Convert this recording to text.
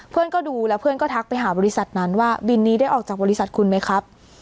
เพื่อนก็ดูแล้วเพื่อนก็ทักไปหาบริษัทนั้นว่าบินนี้ได้ออกจากบริษัทคุณไหมครับ